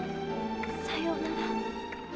さようなら。